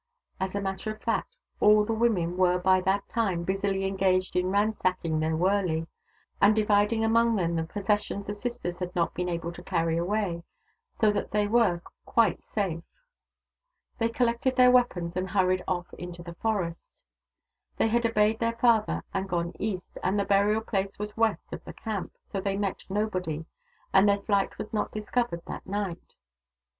As a matter of fact, all the women were by that time busily engaged in ransacking their wurley, and dividing among them the possessions the sisters had not been able to carry away ; so that they were quite safe. They collected their weapons and hurried off into the forest. They had obeyed their father and gone east, and the burial place was west of the camp, so they met nobody, and their flight was not discovered that night.